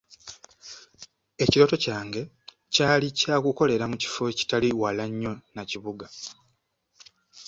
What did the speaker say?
Ekirooto kyange kyali kya kukolera mu kifo ekitali wala nnyo na kibuga.